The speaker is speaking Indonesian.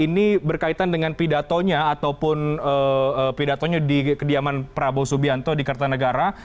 ini berkaitan dengan pidatonya ataupun pidatonya di kediaman prabowo subianto di kertanegara